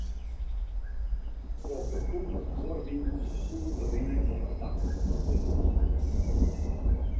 Troch de fûle skuorwinen foel de beam op it dak fan 'e pleats.